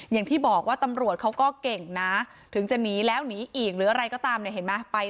อย่างที่บอกว่าตำรวจเขาก็เก่งนะถึงจะหนีแล้วหนีอีกหรืออะไรก็ตามเนี่ยเห็นไหม